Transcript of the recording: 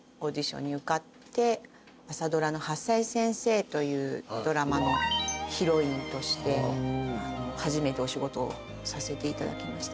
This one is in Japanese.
朝ドラの『はっさい先生』というドラマのヒロインとして初めてお仕事をさせていただきました。